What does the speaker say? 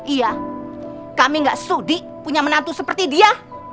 iya kami gak sudi punya menantu seperti dia